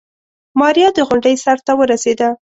ماريا د غونډۍ سر ته ورسېده.